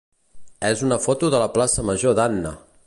és una foto de la plaça major d'Anna.